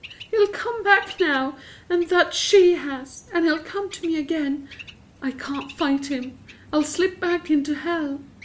"He'll come back now that she has, and he'll come to me again. I can't fight him. I'll slip back into hell.